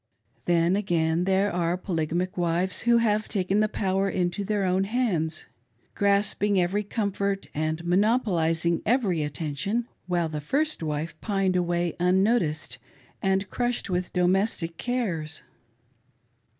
Then, again, there are polygamic wives who have, taken the power into their own ha, nds, grasping every comfort and monopolising every attention, while the first wife pinedt away unnoticed and crushed with domestic cares.